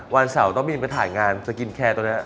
วันเสาร์ต้องบินไปถ่ายงานสกินแคร์ตรงนี้